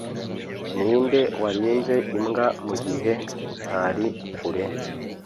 Ninde warinze imbwa mugihe utari kure?